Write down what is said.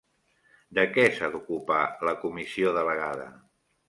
De què s'ha d'ocupar la comissió delegada?